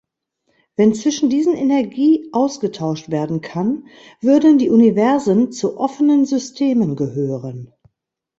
Wenn zwischen diesen Energie ausgetauscht werden kann, würden die Universen zu offenen Systemen gehören.